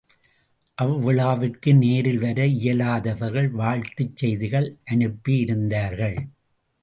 அவ்விழாவிற்கு நேரில் வர இயலாதவர்கள் வாழ்த்துச் செய்திகள் அனுப்பி இருந்தார்கள்.